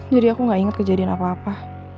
jadi aku gak inget kejadian apa apa